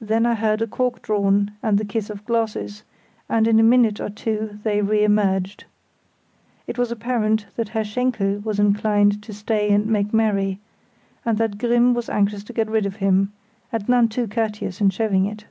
Then I heard a cork drawn, and the kiss of glasses, and in a minute or two they re emerged. It was apparent that Herr Schenkel was inclined to stay and make merry, and that Grimm was anxious to get rid of him, and none too courteous in showing it.